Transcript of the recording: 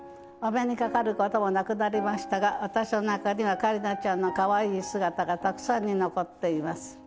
お目にかかることもなくなりましたが私の中には香里奈ちゃんのかわいい姿がたくさんに残っています。